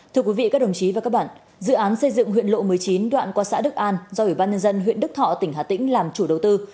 thưa quý vị các đồng chí và các bạn dự án xây dựng huyện lộ một mươi chín đoạn qua xã đức an do ủy ban nhân dân huyện đức thọ tỉnh hà tĩnh làm chủ đầu tư